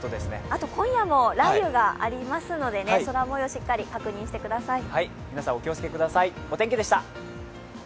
あと今夜も雷雨がありますので空もようしっかり確認してください。